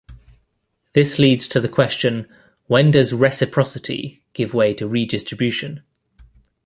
This leads to the question, when does reciprocity give way to redistribution.